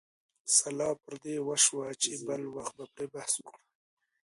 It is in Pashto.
سلا پر دې وشوه چې بل وخت به پرې بحث وکړو.